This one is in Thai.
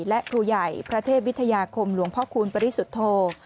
และครูใหญ่พระเทพวิทยาคมหลวงพ่อคูณปริสุทธโธ